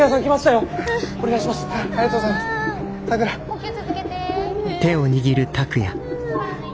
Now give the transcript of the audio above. ・呼吸続けて。